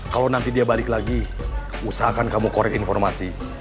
kalau nanti dia balik lagi usahakan kamu korek informasi